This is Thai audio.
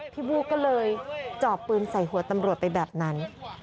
บู้ก็เลยจอบปืนใส่หัวตำรวจไปแบบนั้น